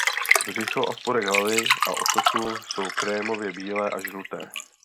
Břicho a spodek hlavy a ocasu jsou krémově bílé až žluté.